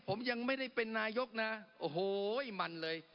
ผมยังไม่ได้เป็นนายกนะโอ้โหมันเลย